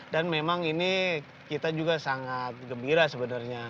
dan memang ini kita juga sangat gembira sebenarnya